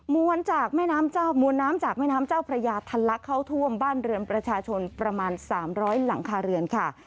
จากแม่น้ำเจ้ามวลน้ำจากแม่น้ำเจ้าพระยาทันลักเข้าท่วมบ้านเรือนประชาชนประมาณ๓๐๐หลังคาเรือนค่ะ